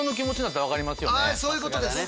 あっそういうことです。